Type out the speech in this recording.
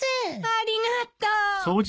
ありがとう。